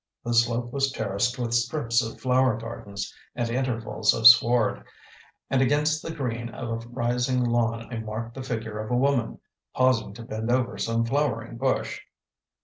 The slope was terraced with strips of flower gardens and intervals of sward; and against the green of a rising lawn I marked the figure of a woman, pausing to bend over some flowering bush.